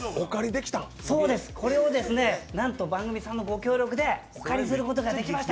これをなんと番組さんのご協力でお借りすることができました！